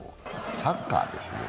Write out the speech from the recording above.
サッカーですね。